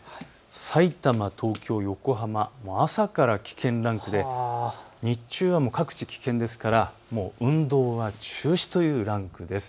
さいたま、東京、横浜、朝から危険ランクで日中は各地、危険ですから運動は中止というランクです。